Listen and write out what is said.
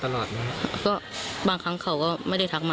แต่ก็เหมือนกับว่าจะไปดูของเพื่อนแล้วก็ค่อยทำส่งครูลักษณะประมาณนี้นะคะ